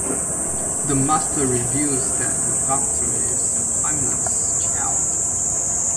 The Master reveals that the Doctor is the "timeless child".